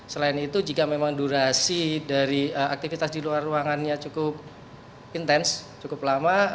selain itu jika memang durasi dari aktivitas di luar ruangannya cukup intens cukup lama